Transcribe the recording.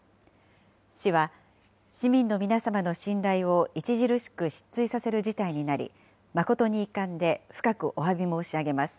市は、市民の皆様の信頼を著しく失墜させる事態になり、誠に遺憾で深くおわび申し上げます。